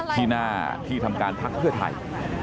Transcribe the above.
ที่หน้าที่ทำการพักเพื่อไทย